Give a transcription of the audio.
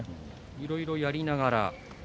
いろいろやりながら。